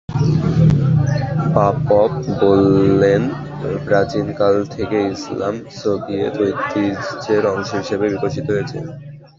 পাপভ বললেন, প্রাচীনকাল থেকে ইসলাম সোভিয়েত ঐতিহ্যের অংশ হিসেবে বিকশিত হয়েছে।